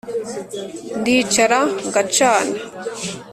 Ndicara ngacana